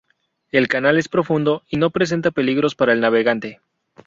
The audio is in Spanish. El canal es profundo y no presenta peligros para el navegante